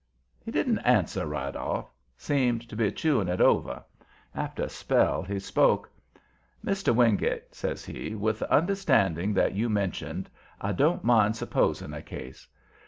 He didn't answer right off; seemed to be chewing it over. After a spell he spoke. "Mr. Wingate," says he, "with the understanding that you mentioned, I don't mind supposing a case.